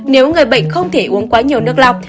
nếu người bệnh không thể uống quá nhiều nước lọc